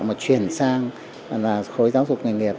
mà chuyển sang khối giáo dục nghề nghiệp